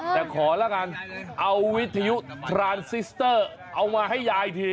แต่ขอละกันเอาวิทยุทรานซิสเตอร์เอามาให้ยายที